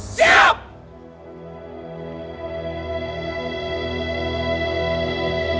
kalau mereka datang